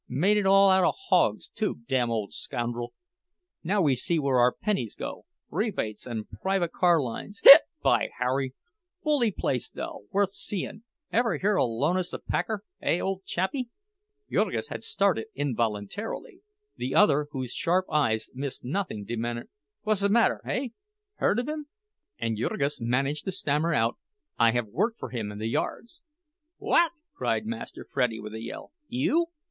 Made it all out of hogs, too, damn ole scoundrel. Now we see where our pennies go—rebates, an' private car lines—hic—by Harry! Bully place, though—worth seein'! Ever hear of Jones the packer, hey, ole chappie?" Jurgis had started involuntarily; the other, whose sharp eyes missed nothing, demanded: "Whuzzamatter, hey? Heard of him?" And Jurgis managed to stammer out: "I have worked for him in the yards." "What!" cried Master Freddie, with a yell. "_You!